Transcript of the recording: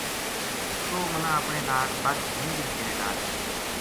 توہ منا اپنے ناڑ بَدھ ہوں بھی تیرے ناڑ چلوں ‘‘